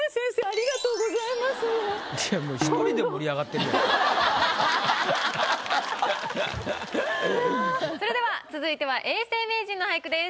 いやもうそれでは続いては永世名人の俳句です。